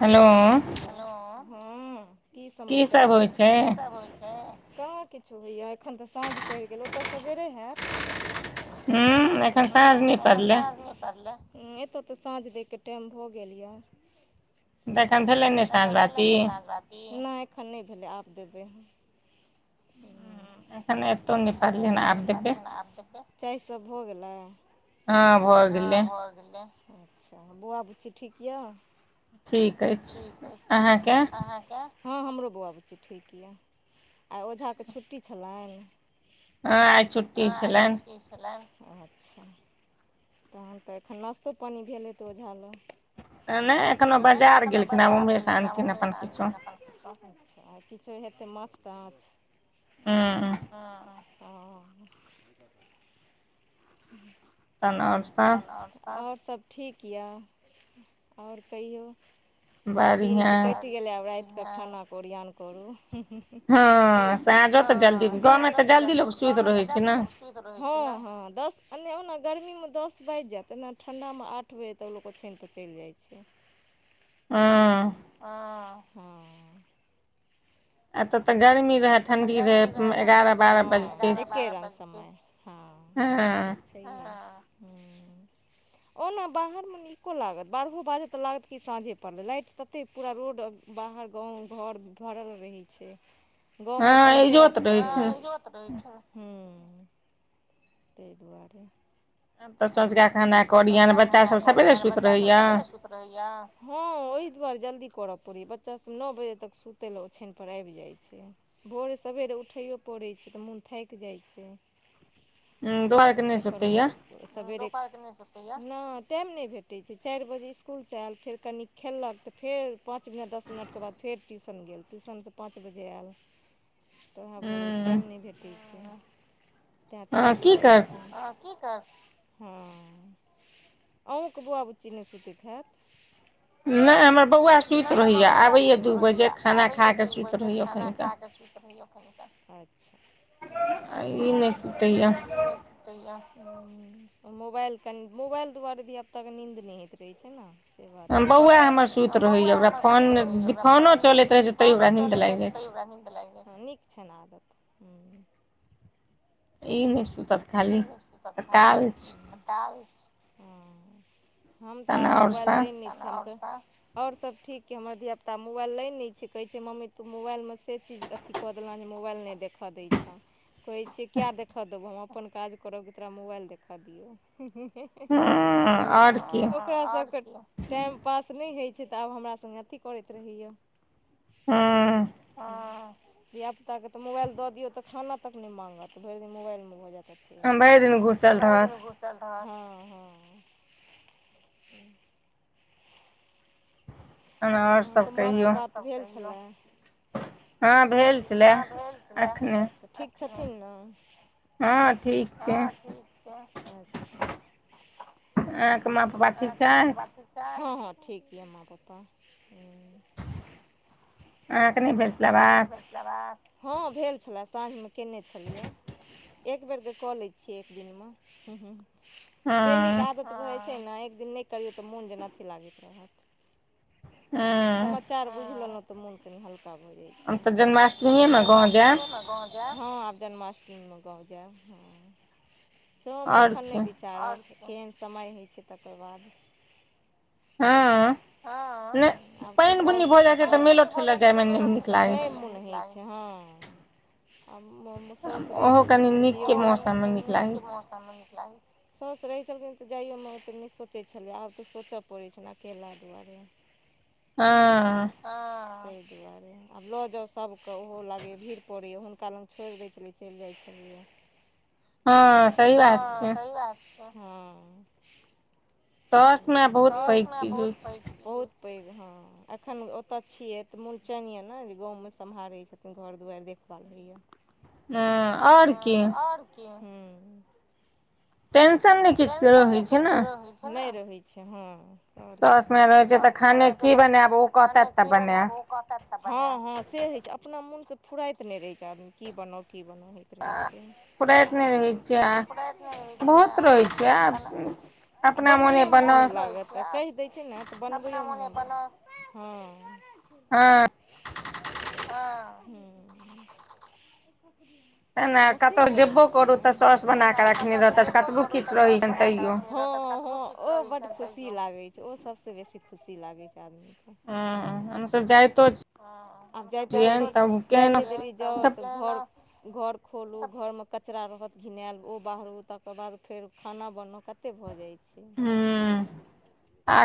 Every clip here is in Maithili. हेलो हेलो ह की समाचार की सब होइ छ कहाँ किछो होइए एखन तऽ साँझ पड़ि गेल ओतय सवेरे होयै हूँ हं एनले एतो तऽ साँझ देय के टाइम भ गेल ये देख भेल तऽ एखन भेलै नहि साँझ बात नहि एखन नहि भेलै आब देबै ह एत आब सब भ गेल अच्छा बौआ बुच्ची ठीक य ठीक ह ठीक अछि अहाँक हँ हमरो बौआ बुची ठीक यऽ आइ ओझाके छुट्टी छलन हँ आ छुट्टी छलै अच्छ तखन तऽ एखन नाश्तो पानि भेलै तऽ ओझालो नहि एखन बाजार गेलखिन आ उ में से आनथिन एखन आ किछो हेतै मस्त आँछ हँ ओ ओर सभ ठीक यए आओर कहियौ दिन तऽ कटि गेलै आब राइतके खानाे ओरियन करू हँ हँ त जल्दी गाँवमे तऽ जल्दी ल सु हँ हँ दस अ ए न गर्मीमे दस बाजि जायतना ठण्डा में आठ बजेतऽ ओ लोक ओ छानिकऽ चलि जाइ छै हँ आ हूँ आत तऽ गड़मी एतऽ तऽ गर्मी रहे ठणंडी र हँ हँ ओना बाहर में नीको लागत बारहो बाजे तऽ लागत कि साँझे पड़लै लाइट त एते पूरा रोड बाहर गाँंव घर भरल रहै छै गाँव में तऽ अन्धेरा तुरत ह तहि दुआरे आ तऽ संझका खाना ह सँझुका खाना कोयन बच्चा सब सेरे सु हँ ओहि दुआरे जल्दी करय पड़ैया बच्चा सब नओ बजे तक सुतय लऽ ओछान पर आबि जाइ छै भोर सेरे उठैयो पड़ै छै तऽ मोन थाकि जाइ छै ओहि चकर में सेवेरे नय टाइम नहि भेटैत छै चारि बजे इसकुलसँ आयल फेर कनी खेललक तऽ फेर पाँच मिनट दस मिनटके बाद फेर ट्यूशन गेल ट्यूशन सं पाँच बजे आयल तऽ उएहाँ भोजेस टाइम नहि भेटैत छै तैँ थाकि जाइत छै की कर हूँ अहँके बौआ बुच्ची नइ सुतैत हैत नहि हमर बौआ सुति रहहिया आबैया दू बजे खाना खा कऽ सुति रहैय अच्छा हं कहिया मोबाइल कनि मोबाइल दुआरे धियापुता नीन्द नइ होइत रहै छै ने से बात बौआ हमर सब बौआ हमर सुति रहैय ओकरा फोन फोनो चलैत रहै छै तै ओकरा नीन्द लागीक क छ न आदत हँ ई नहि तपथाली दाल छै हम तऽ आब मोबाइल दै ने और सब ठीक हमर धिया पुता मोबाइल ले ने छै कहे छै मम्मी तूं मोबाइल मे से चीज अथी द जे मोबाइल देख दे क देखऽ देब हम अपन काज करब कि तोरा मोबाइल देखऽ दि ओकरा सब के टाइम पास नहि होइत छै तऽ आब हमरा संगे अथी करैत रहैया हँ ह धियापुताके तऽ मोबाइल दऽ दियौ तऽ खाना तक नइ माँगत तऽ भरि दिन मोबाइल में भऽ जेतऽ फे भरि द हम्म हम्म तह अहाँके माँ बात भेल छल हँ भेल छलै ठीक छथिन ने हँ ठीक छै अछ हं अ पा हँ हँ ठीक य माँ पप्पा ह आहनह आहा नहि भेटलबा हँ भेल छलए साँझ में कयने छलियै एक बेरके कऽ लै छियै एक दिनमे हू हूँ डेलीके आदत होइ छै ने एक दिन नहि करियौ तऽ मोन जेना अथ लागैत रहत समाचार बुझलहुँ तऽ मोन कनि हल्का अब त जन्माष्टमी न हँ आब जन्माष्टम में गाँव जायब हँ से हम एखन नहि विचार केहन समय होइ छै तकर बा हं आब त पइन बुनी भऽ जाइ छै तऽ मेलो ठेला जाय मे नहि निक लगाइ हँ हमर साउस रहै छ्लखिन त निक मौसम निक लगई छै साउस रहै छलखिन तऽ जाइयोमेतऽ नहि सोचै छलै आब तऽ सोचऽ पड़ै छलनि अकेला दुआरे हँ हं तय दुआरे आब लऽ जाउ सभकेँ ओहो लागैए भीड़ पड़ैए हुनका लग छोड़ि दैत छलियै चलि जाइत छलियै हँ सही बात छै तना बहुत पै बहुत पैघ हँ एखन ओतऽ छियै तऽ मून चैन यऽ ने जे गाँव में सम्हारैत छथि घर दुआरि देखभाल होइ हं हं आओर की टेंशन टेंशन नइ किछु रह छै नहि रहैत छै हँ ओर की सास ने रहे छै खाने की बने हँ ह से होय छै अपना मोन से फुराइत नहि रहै छै आदमी की बनाउ की बनाउ [inaudible] बनबैय, मोन नहि लगै छै। कहि दै छै ने तऽ बनब, हँ, अपना मोने बनाउ। हँ। हँ हँ। मशीन चलबै छियै, कतहुसँ जेबो करू तऽ साउस बना कऽ रखने। हँ हँ, ओ बड्ड खुशी लागै छै, ओ सभसँ बेसी खुशी लागै छै आदमीके। हँ, हम सभ जाइत। आ जेतै देब, जाइते देब, जाउ तऽ घर। घर खोलू, घरमे कचरा रहत, घिनाएल। ओ बहारू, तकर बाद। फेर खाना बनऽ कते भऽ जाइ छै।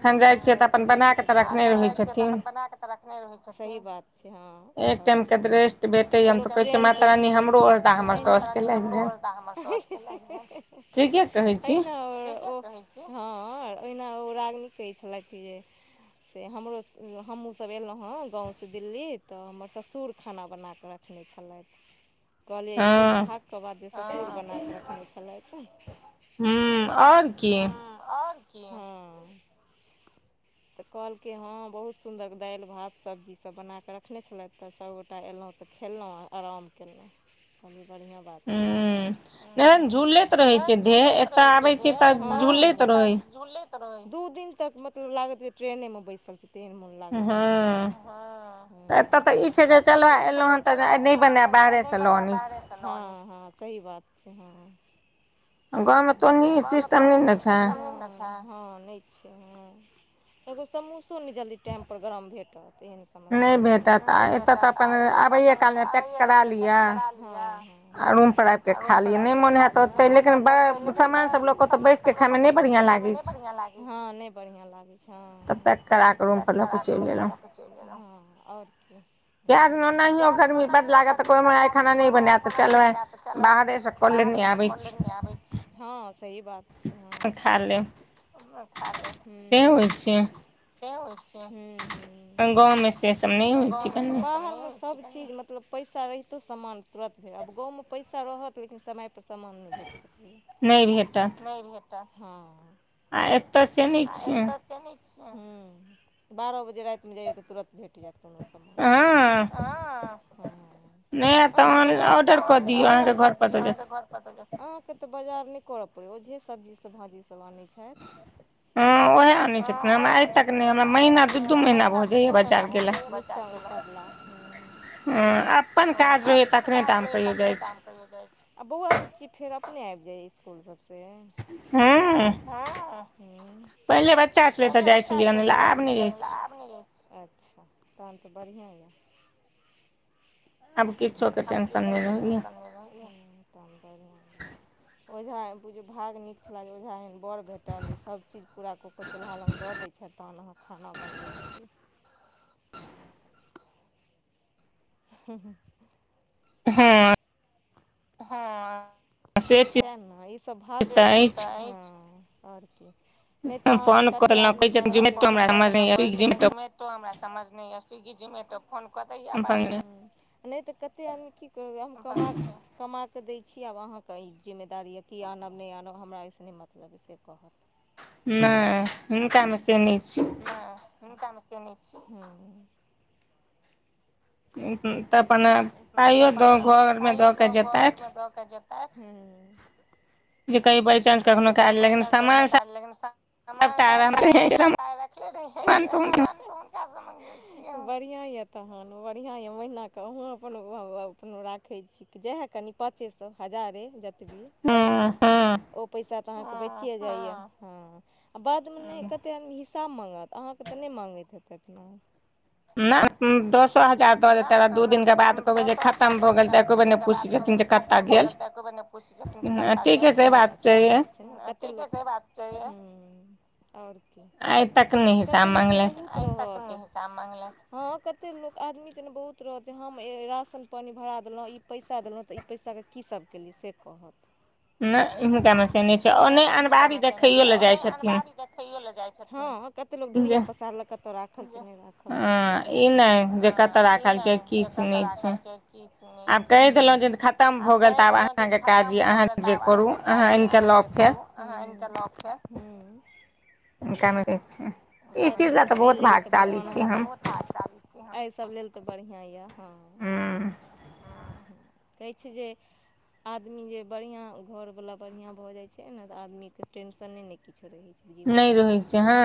साउस रहै छै तऽ अखन जाइ छियै, तऽ साउस रहै छै तऽ अपन बना कऽ। रखने रहै छै, सही बात। हैं घर के [unintelligible] त हमर [unintelligible] ठीके कहै छी। आओर ओ हँ, ओहिना ओ रागिनी कहैत छलथि जे। से हमरो, हमहूँ सभ एलहुँ हेँ गामसँ दिल्ली तऽ हमर ससुर खाना बना कऽ रहथि। रखने छलथि, कहलियै ई बहुत भागके बाद जे ससुर बना कऽ रखने छलथि। हूँ, आओर की? आओर की हूँ तऽ कहलकै हँ, बहुत सुन्दर दालि-भात, सब्जी सभ बना कऽ रखने छलथि, तऽ सभगोटा अयलहुँ। तऽ खेललहुँ, आराम कयलहुँ, कहलियै बढ़ियाँ बात यऽ। सभ झूलेत रहै छै देह एतए आबे छै झुलैत रहैत दू दिन तक, मतलब लागत जे ट्रेनमे बैसल छी तेन। लगैत रहत हँ, तखन ई छै जे एलहुँ हन गाड़ी। नहि बनब, बाहरे लऽ आबै छी हँ, सही बात छै हँ। गाममे तऽ सिस्टम छै हँ, नहि छै? समोसा नहि जल्दी टाइमपर गरम भेटत, एहन समस्या। नहि भेटत, आ एतऽ तऽ अपन आबै कालमे पैक करा लिअ। आ रूम प्रति खाली नहि, मने? ततऽ, लेकिन सामान सभ लोकके तऽ बैसि कऽ खाइमे नहि बढ़ियाँ लागै हँ, नहि बढ़ियाँ लागै छै। तऽ पैक करऽ, रूमपर लऽ कऽ चलि गेल, कऽ देना। बला तऽ कोइ माय खाना न बना तऽ चलऽ, बाहरेसँ करि लेनी आबै। हँ, सही बात छै। हँ खा लेब हँ, से होइ छै हँ हँ। अ गाम मे छैये [unintelligible] बाहर सभ चीज, मतलब पैसा रहितो सामान तुरन्त नहि भेटै। आब गाममे पैसा रहत, लेकिन समयपर सामान नहि भेटै। नहि भेटत हँ। आ एतऽ से नहि छियै। सुनै छियै हँ, बारह बजे रातिमे जइया तऽ तुरन्त भेटि जायत कोनो। हँ हँ। अहाँके बढ़ियाँ सामान घऽब कऽ दियौ, अहाँके घर। अहाँके तऽ बाजार नहि करऽ पड़ै, ओ जे सब्जी सभ भाइजी सभ अनै छथि। हूँ, ओएह। हँ, ओएह। नहि, हमरा आइ तक नहि औने छथि, हमरा महीना-दू महीना भऽ गेल। हूँ हँ, अपन काज होइए तखने टाइम कहियो जाइ छै। आ बौआ-बुच्ची फेर अपने आबि जाइए इसकुलसँ हँ। हँ, पहिले बच्चा छलै तऽ जाइ छलियै। अच्छा, तखन तऽ बढ़ियाँ यए। हँ, सभ किछु हो तऽ टेंशन रहै। त बढ़िआँ ओइझा बुझिय भाग नीक छलै जे ओहिझा एह बड़ भेटल सभचीज पूरा कऽ कऽ चुल्हा लग दऽ दै छथि तहन अहाँ खाना बनबै छी हँ हँ हँ हँ त ने ईसभ भाग आओर की नहि तऽ अहाँ कतेक आदमी कर कऽ देलहुँ कहै छथिन जु तै हमरा समझ ने य स्विगी जोमैटो फोन क दैय नहि तऽ कते आदमी की करबैक मार माके दै छी आब अहाँके ई जिम्मेदारी यऽ कि आनब नहि आनब हमरा अइस नहि मतलब से कहत नहि हिनकामे से नहि छै नहि हिनकामे से नै छ तऽ अपन पाइयो दऽ घरमे दऽ केऽ जेतथि क जता ह जे कही बाइ चान्स जे कही बाइ चांस कखनो काल बा समान सब त हमर पााय रखले रहान [unintelligible] [unintelligible] बढ़िआँ यऽ तहन बढ़िआँ यऽ महिलाकेऽ अहुं अपन अपन [unintelligible] राखै छी जएहए कनि पाँचे सए हजारे जतबी ह हँ ओ पैसा तऽ अहाँके बेचिये जाइया हँ बादमे नहि कतेक आदमी स सब माँगत अहाँके तऽ नहि माँगैत हेतैथ न नहि दस नहि हमरा तऽ दसो हजार दऽ देतै दू दिनके बाद कहै जे खतम भऽ गेलतै कोबै नहि पुछै छथिन जे कतऽ गेल हँ सहि बात छै बात छै आओर की [unintelligible] आइ तक कतेक लोकके बहुत आई तक नै [unintelligible] हँ कते लोक आदमी के ने बहुत रहतै हम राशन पानी भरा देलहुँ ई पैसा देलहुँ तऽ ई पइसाके की सब केलियै से कहत नहि हीनका मे से नहि हिनका मे से नहि छै अनै अनमारी देखैयो ले जाय छै कते धुरिया पसारल कत राख [unintelligible] ई नहि जे कत राखल छै किछु नहि छै आब कहि देलहुँ खतम भऽ गेल तऽ आब अहाँके चाची अहाँ जे करू अहाँ इंटरलॉक के हुं इनकमे छै बड़ नीक एहि लेल तऽ भगवान हमरा एहि सभ लेल तऽ बढ़िआँ यए हँ कहै छै जे आदमी जे बढ़िया घर वाला बढ़िया भ जाय छै ने त आदमी के टेंशने ने किछो रहे छै नहि रहै छै हँ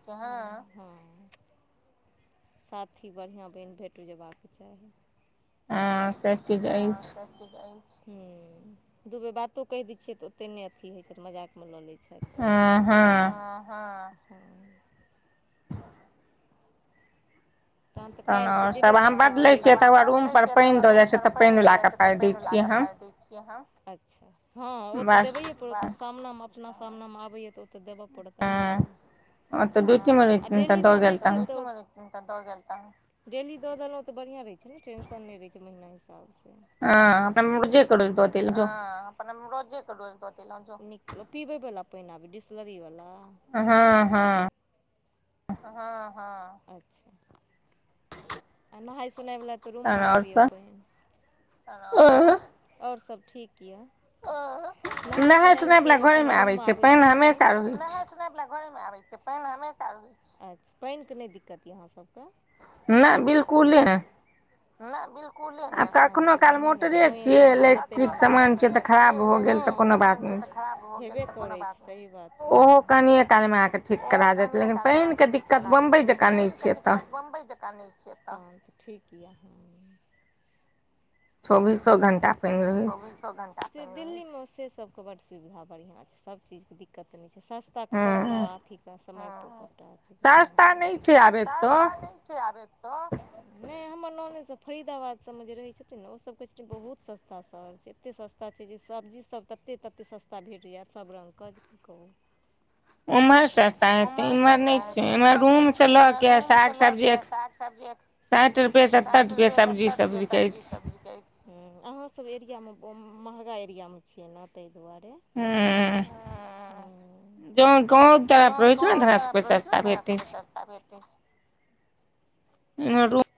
से हं हँ साथ बढ़िआँ बनि भेट जयबाक चाही हँ से हं से हँ दू बेर बातो कहि दै छियै तऽ ओते नहि अथी होइत छथि मजाकमे लऽ लैत छथि आ हँ हं तहन तऽ कालि त जेबे करते बदले छिय त रूम पर पानि द जाय छै त पानिवलाके पाइ दै अच्छा हँ ओ तऽ देबैय साम अपना सामना मे आबैय तऽ देबऽ पड़त अहिंके हं आ डेली द दै छियै त डेली दऽ देलहुँ तऽ बढ़िआँ रहै छै ने टेंशन नहि रहै छै महिना हिसाब से ह अपन मुजे करे ले दो देजिए जो रोजे क रोज दै दैलो जो नीक कैलो जो पीबै बला पहिने अभी डसलरीवला हँ हँ हँ हँ अछि नहाय सोनाय वला तऽ रूम मे आबैया पैन आओर सभ ठीक यए नहाय सुोनाय ले तऽ ओ अपन रूम मे आबैत हैत पानि नहाय सुोनाय वला घरे मे आबे छै पानि हमेशा रह छै पानिक के दिक्कत अहाँ सबके नहि बिलकुल ने नहि बिलकुले ने श तऽ बढ़ि [inaudible] या य गो जेना ज ान छ तऽ खराब गेल [inaudible] ओहो कनिए कालमे अहाँके ठीक करा देते लेकिन पानिके दिक्कत बम्बइ जँकाँ नहि छै तहन तऽ ठीक आ हु चौबीसो घण्टा पानि रहै छै दिल्लीमे से सबके बड सुविधा बढ़िआँ छै सब चीजके दिक्कत नहि छै सस्ते [unintelligible] ् नहि हमर ननेद सब फरीदाबाद सबमे जे रहै छथिन ने ओ सब कहै बहुत सस्ता शहर छै एतेक सस्ता छै जे सब्जी सब तते तते सस्ता भेट जायत सब रंगके की कहु उमहर से सस्ता हेतै इमहर नहि छै इमहर रूम से लऽ के साग सब्जी आर साठ रुपए सत्तरि रुपए सब्जी सब बिकै छै हु अहाँसभ एरियामे महगा एरियामे छियै ने ताहि दुआरे हू जै गाव खराब रहै छै ने धरनाै चस्ता एत छै ताबे तेक उम्हर रूम